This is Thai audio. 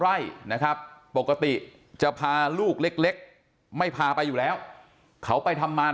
ไร่นะครับปกติจะพาลูกเล็กไม่พาไปอยู่แล้วเขาไปทำงาน